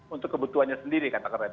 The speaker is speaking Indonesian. untuk kebutuhannya sendiri kata keren